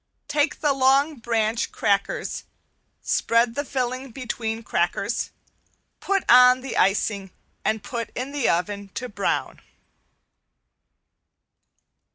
Take the long branch crackers, spread the filling between the crackers, put on the icing and put in the oven to brown.